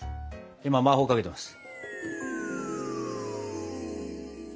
今魔法かけてます。